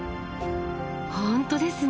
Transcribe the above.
本当ですね。